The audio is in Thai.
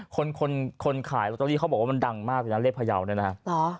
คนคนขายลอตเตอรี่เขาบอกว่ามันดังมากเลยนะเลขพยาวเนี่ยนะฮะ